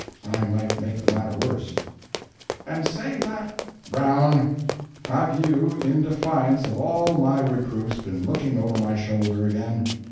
I might make the matter worse. "And say that—." "Brown, have you, in defiance of all my reproofs, been looking over my shoulder again?"